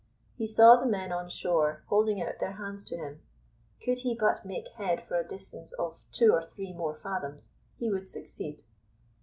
He saw the men on shore holding out their hands to him; could he but make head for a distance of two or three more fathoms he would succeed.